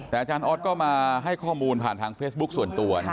แต่อาจารย์ออสก็มาให้ข้อมูลผ่านทางเฟซบุ๊คส่วนตัว